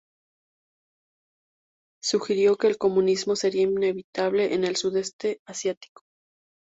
Sugirió que el comunismo sería inevitable en el Sudeste Asiático.